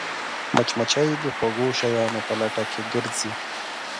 مچمچۍ د خوږو شیانو په لټه کې ګرځي